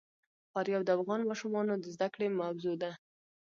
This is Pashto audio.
فاریاب د افغان ماشومانو د زده کړې موضوع ده.